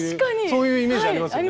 そういうイメージありますよね。